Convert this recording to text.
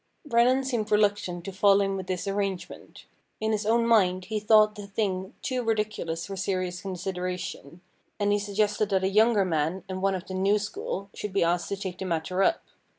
Brennan seemed reluctant to fall in with this arrangement. In his own mind he thought the thing too ridiculous for serious consideration, and he suggested that a younger man, and one of the new school, should be asked to take the matter up.